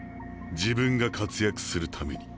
「自分が活躍するために」。